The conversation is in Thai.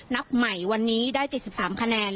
นับใหม่วันนี้ได้๗๓คะแนน